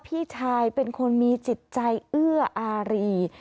พี่ชายเป็นคนมีจิตใจเอื้ออารี